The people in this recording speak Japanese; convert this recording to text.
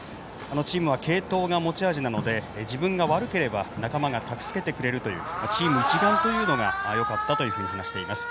チームは継投が持ち味なので自分が悪ければ仲間が助けてくれるというチーム一丸というのがよかったというふうに話しています。